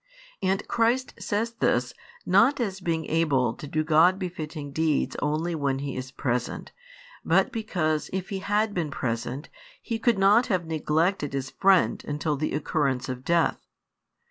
And Christ says this, not as being able to do God befitting deeds only when He was present; but because if He had been present, He could not have neglected His friend until the occurrence of death.